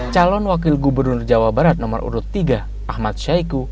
calon wakil gubernur jawa barat nomor urut tiga ahmad syahiku